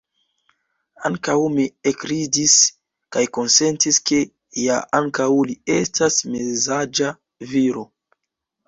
Ankaŭ mi ekridis, kaj konsentis ke, ja ankaŭ li estas mezaĝa viro.